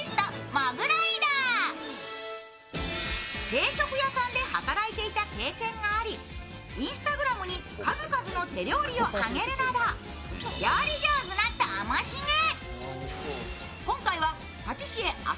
定食屋さんで働いていた経験がありＩｎｓｔａｇｒａｍに数々の手料理を上げるなど料理上手なともしげ。